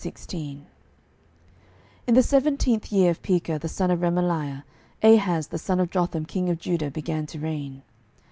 12:016:001 In the seventeenth year of Pekah the son of Remaliah Ahaz the son of Jotham king of Judah began to reign.